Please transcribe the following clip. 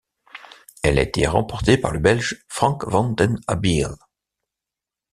Elle a été remportée par le Belge Frank Van Den Abeele.